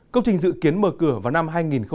công trình dự kiến mở cửa vào năm hai nghìn hai mươi